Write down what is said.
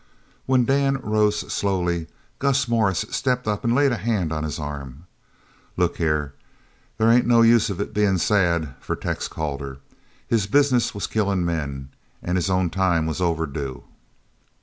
When Dan rose slowly Gus Morris stepped up and laid a hand on his arm: "Look here, there ain't no use of bein' sad for Tex Calder. His business was killin' men, an' his own time was overdue."